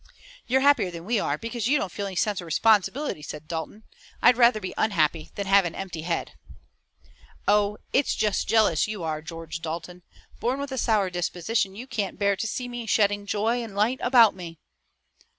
"You're happier than we are because you don't feel any sense of responsibility," said Dalton. "I'd rather be unhappy than have an empty head." "Oh, it's just jealous you are, George Dalton. Born with a sour disposition you can't bear to see me shedding joy and light about me."